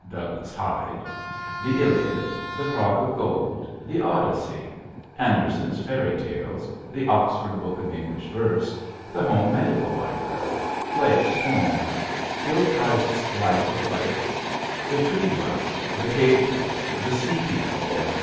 Douglas Hyde "The Iliad" "The Crock of Gold" "The Odyssey" Andersen's "Fairy Tales" "The Oxford Book of English Verse" "The Home Medical Library" Blake's "Poems" Gilchrist's "Life of Blake" "The Tree Dwellers," "The Cave Dwellers," "The Sea People," etc.